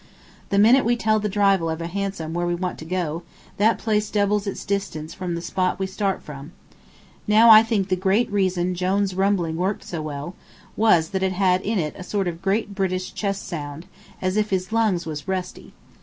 The minute we tell the driver of a hansom where we want to go, that place doubles its distance from the spot we start from. Now I think the great reason Jone's rumbling worked so well was that it had in it a sort of Great British chest sound, as if his lungs was rusty.